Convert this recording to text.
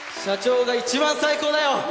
社長が一番最高だよ。